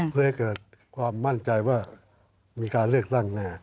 เพื่อให้เกิดความมั่นใจว่ามีการเลือกตั้งแน่